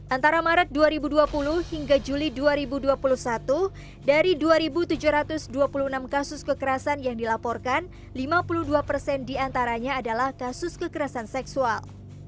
antara maret dua ribu dua puluh hingga juli dua ribu dua puluh satu dari dua tujuh ratus dua puluh enam kasus kekerasan yang dilaporkan lima puluh dua persen diantaranya adalah kasus kekerasan seksual